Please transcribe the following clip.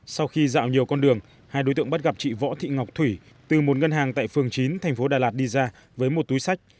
sau khi dạo nhiều con đường hai đối tượng bắt gặp chị võ thị ngọc thủy từ một ngân hàng tại phường chín thành phố đà lạt đi ra với một túi sách